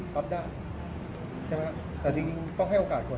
รับได้ใช่ไหมแต่จริงต้องให้โอกาสคน